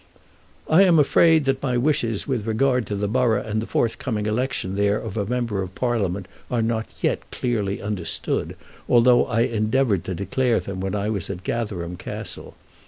] I am afraid that my wishes with regard to the borough and the forthcoming election there of a member of Parliament are not yet clearly understood, although I endeavoured to declare them when I was at Gatherum Castle.